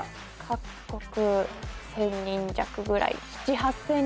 各国１０００人弱ぐらい。